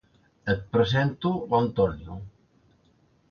Et presento l'Antonio.